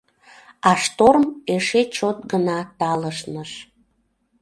А шторм эше чот гына талышныш.